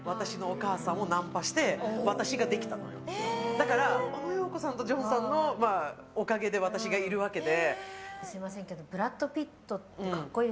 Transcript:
だから、オノ・ヨーコさんとジョンさんのおかげで私がいるわけで。